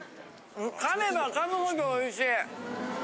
噛めば噛むほどおいしい！